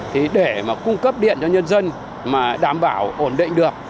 thì để mà cung cấp điện cho nhân dân mà đảm bảo ổn định được